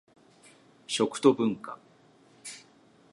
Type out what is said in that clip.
食と文化